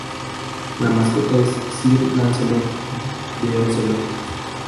La mascota es "Sir Lancelot the Ocelot".